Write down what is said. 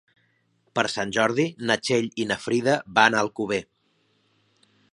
Per Sant Jordi na Txell i na Frida van a Alcover.